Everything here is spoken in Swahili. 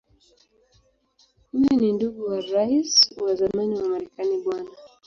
Huyu ni ndugu wa Rais wa zamani wa Marekani Bw.